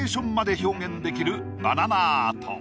表現できるバナナアート。